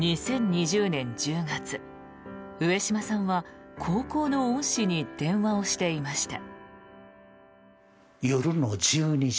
２０２０年１０月上島さんは高校の恩師に電話をしていました。